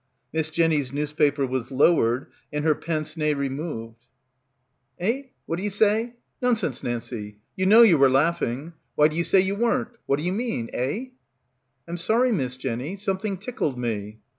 Miss Jenny's newspaper was lowered and her pince nez removed. — 82 — BACKWATER "Eh? What d'ye say? Nonsense, Nancie, you know you were laughing. Why do you say you weren't? What do you mean? Eh?" "I'm sorry, Miss Jenny. Something tickled me."